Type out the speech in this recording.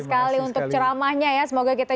sekali untuk ceramahnya ya semoga kita